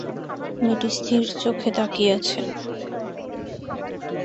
মেয়েটি স্থির চোখে তাকিয়ে আছে।